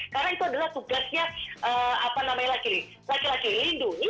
karena itu adalah tugasnya laki laki lindungi